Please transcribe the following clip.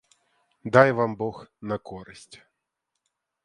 Дай вам бог на користь.